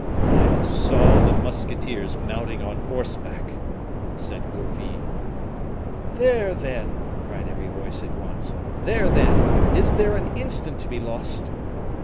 "I saw the musketeers mounting on horseback," said Gourville. "There, then!" cried every voice at once; "there, then! is there an instant to be lost?"